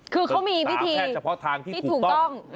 คือเขามีวิธีปรึกษาแพทย์เฉพาะทางที่ถูกต้อง